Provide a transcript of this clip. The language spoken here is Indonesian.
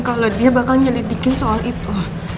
kalau dia bakal menyelidiki soal itu